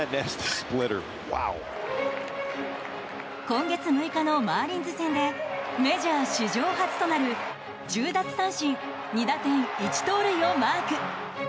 今月６日のマーリンズ戦でメジャー史上初となる１０奪三振２打点１盗塁をマーク。